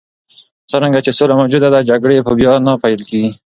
څرنګه چې سوله موجوده وي، جګړې به بیا نه پیل کېږي.